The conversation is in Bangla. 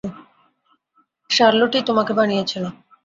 শার্লট-ই তোমাকে বানিয়েছিল।